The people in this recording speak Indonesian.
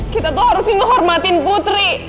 kita tuh harusnya ngehormatin putri